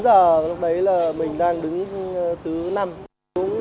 đầu trưa là rất đông